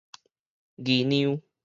議量